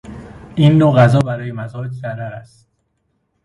این نوع غذا برای مزاج مضر است.